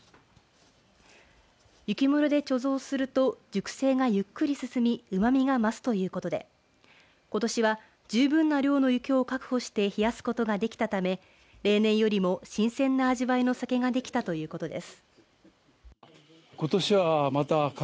雪室で貯蔵すると熟成がゆっくり進みうまみが増すということでことしは十分な量の雪を確保して冷やすことができたため例年よりも新鮮な味わいの酒ができたということです。